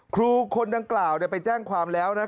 ครูคนดังกล่าวไปแจ้งความแล้ว